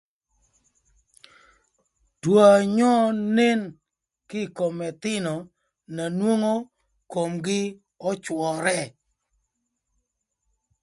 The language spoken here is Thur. Two anyö nen kï kom ëthïnö na nwongo komgï öcwörë.